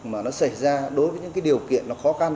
mà nó xảy ra đối với những cái điều kiện nó khó khăn